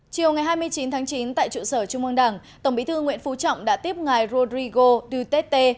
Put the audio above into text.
chiều ngày hai mươi chín tháng chín tại trụ sở trung mương đảng tổng bí thư nguyễn phú trọng đã tiếp ngài rodrigo duterte